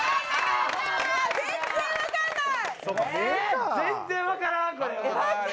全然分かんない。